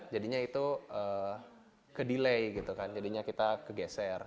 jadi kita ke delay gitu kan jadinya kita kegeser